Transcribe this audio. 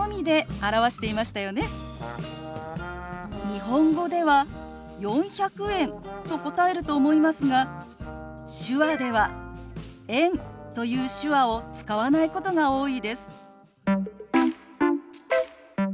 日本語では「４００円」と答えると思いますが手話では「円」という手話を使わないことが多いです。